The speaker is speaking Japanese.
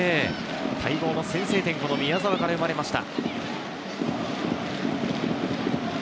待望の先制点が宮澤から生まれました。